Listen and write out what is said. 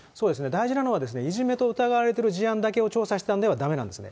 大事なのはいじめと疑われてる事案だけを調査したんではだめなんですね。